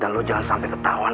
dan lo jangan sampai ketahuan